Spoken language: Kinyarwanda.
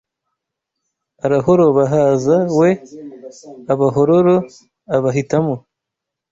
Arahoroba haza we Abahororo abahitamo